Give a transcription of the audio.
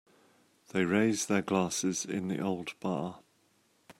They raised their glasses in the old bar.